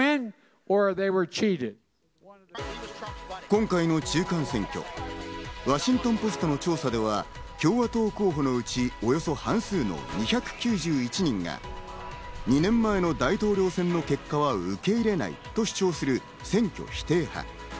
今回の中間選挙、ワシントン・ポストの調査では、共和党候補のうち、およそ半数の２９１人が２年前の大統領選の結果を受け入れないと主張する選挙否定派。